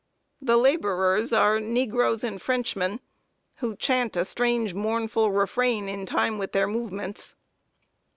The laborers are negroes and Frenchmen, who chant a strange, mournful refrain in time with their movements.